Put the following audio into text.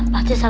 pak cik selamat